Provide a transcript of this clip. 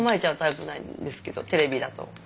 テレビだと。